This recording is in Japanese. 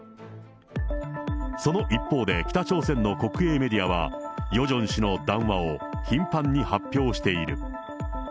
その一方で、北朝鮮の国営メディアは、ヨジョン氏の談話を頻繁に発表している。